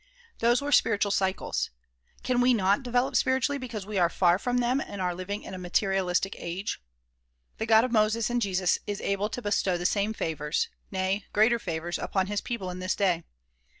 Those were spiritual cycles. Can we not develop spiritually because we are far from them and are living in a materialistic age? The God of Moses and Jesus is able to bestow the same favors, nay greater favors upon his people in this day.